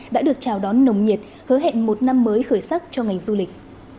đã được chào đón nồng nhiệt hứa hẹn một năm mới khởi sắc cho ngành du lịch